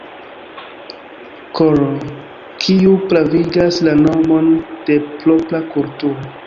Kr., kiuj pravigas la nomon de propra kulturo.